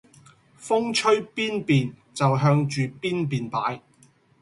風吹邊便就向住邊便擺